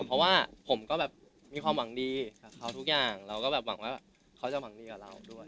เพราะว่าผมก็แบบมีความหวังดีกับเขาทุกอย่างเราก็แบบหวังว่าเขาจะหวังดีกับเราด้วย